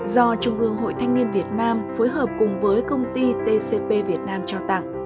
do trung ương hội thanh niên việt nam phối hợp cùng với công ty tcp việt nam trao tặng